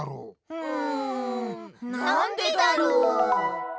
うんなんでだろう？